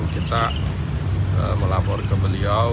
kita melapor ke beliau